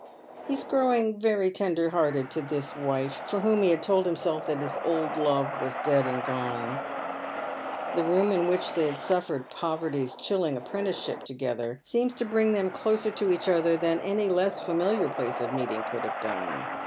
He is growing very tender hearted to this wife, for whom he had told himself that his old love was dead and gone. The room in v/hich they had suffered poverty's chilling apprenticeship together eeems to him to bring them closer to each other than any less familiar place of meeting could have done.